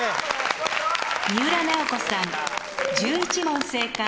三浦奈保子さん１１問正解。